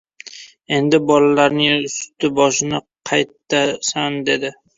— Endi... bolalarni ust-boshini qaytasan? — dedi.